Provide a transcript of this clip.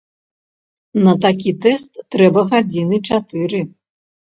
На такі тэст трэба гадзіны чатыры.